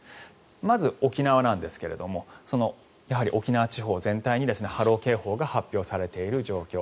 まず、沖縄なんですがやはり沖縄地方全体に波浪警報が発表されている状況。